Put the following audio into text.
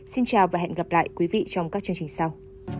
xin chào và hẹn gặp lại quý vị trong các chương trình sau